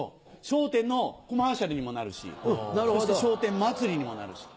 『笑点』のコマーシャルにもなるしそして笑点祭りにもなるし。